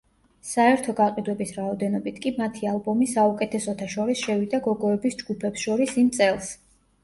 საერთო გაყიდვების რაოდენობით კი მათი ალბომი საუკეთესოთა შორის შევიდა გოგოების ჯგუფებს შორის იმ წელს.